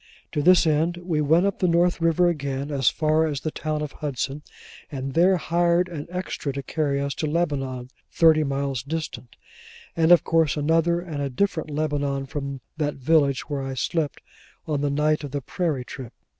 To this end, we went up the North River again, as far as the town of Hudson, and there hired an extra to carry us to Lebanon, thirty miles distant: and of course another and a different Lebanon from that village where I slept on the night of the Prairie trip.